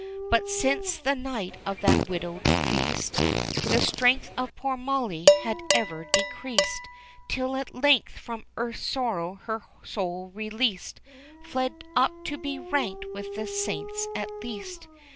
But since the night of that widowed feast, The strength of poor Molly had ever decreased; Till, at length, from earth's sorrow her soul released, Fled up to be ranked with the saints at least.